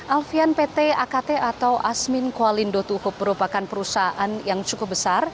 alvian pt akt atau asmin kualin dotuhuk merupakan perusahaan yang cukup besar